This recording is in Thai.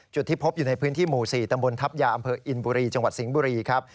ที่พบอยู่ในพื้นที่หมู่๔ตำบลทัพยาอำเภออินบุรีจังหวัดสิงห์บุรีครับ